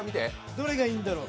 どれがいいんだろう？